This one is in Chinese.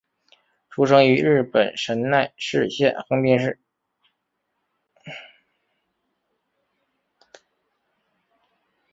出生于日本神奈川县横滨市。